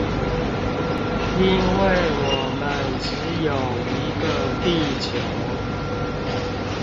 因為我們只有一個地球